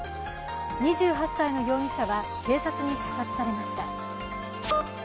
２８歳の容疑者は警察に射殺されました。